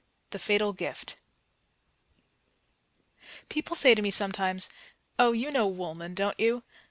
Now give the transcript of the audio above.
THE FATAL GIFT People say to me sometimes, "Oh, you know Woolman, don't you?"